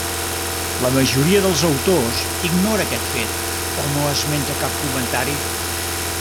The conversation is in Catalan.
La majoria dels autors ignora aquest fet o no esmenta cap comentari.